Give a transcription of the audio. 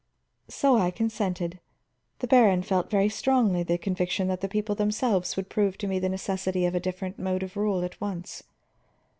"So I consented. The baron felt very strongly the conviction that the people themselves would prove to me the necessity of a different mode of rule at once.